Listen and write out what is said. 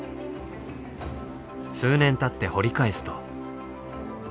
数年たって掘り返すと。